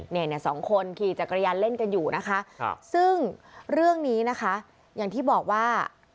เนี่ยสองคนขี่จักรยานเล่นกันอยู่นะคะซึ่งเรื่องนี้นะคะอย่างที่บอกว่า